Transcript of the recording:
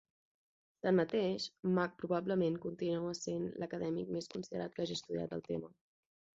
Tanmateix, Mack probablement continua sent l'acadèmic més considerat que hagi estudiat el tema.